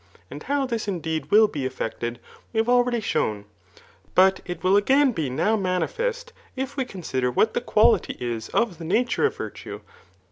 And how this indeed will be effected we have already shown; but it will again be now manifest, if we consider what the quality is of the nature of virtue.